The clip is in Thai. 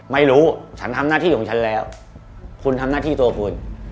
ไม่รู้ฉันทำหน้าที่ของฉันแล้วคุณทำหน้าที่ตัวคุณ